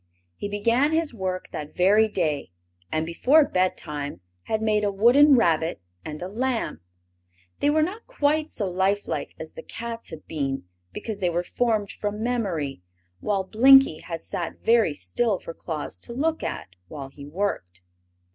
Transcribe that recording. He began his work that very day, and before bedtime had made a wooden rabbit and a lamb. They were not quite so lifelike as the cats had been, because they were formed from memory, while Blinkie had sat very still for Claus to look at while he worked.